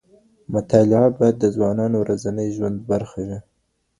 مطالعه بايد د ځوانانو ورځني ژوند برخه وي.